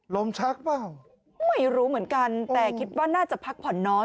ชักเปล่าไม่รู้เหมือนกันแต่คิดว่าน่าจะพักผ่อนน้อย